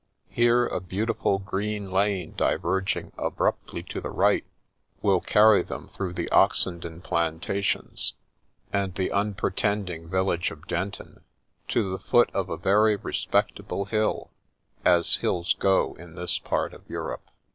Here a beautiful green lane diverging abruptly to the right, will carry them through the Oxenden plantations and the unpretending village of Denton, to the foot of a very respectable hill, — as hills go in this part of Europe.